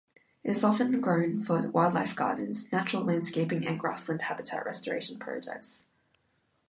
It is often grown for wildlife gardens, natural landscaping, and grassland habitat restoration projects.